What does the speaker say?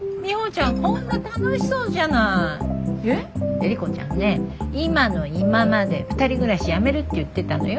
エリコちゃんね今の今まで２人暮らしやめるって言ってたのよ。